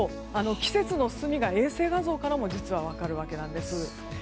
季節の進みが衛星画像からも実は分かるわけなんです。